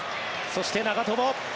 そして長友。